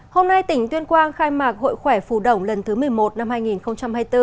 hôm nay tỉnh tuyên quang khai mạc hội khỏe phù đồng lần thứ một mươi một năm hai nghìn hai mươi bốn